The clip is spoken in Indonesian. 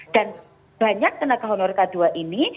dan banyak tenaga honorer kategori dua ini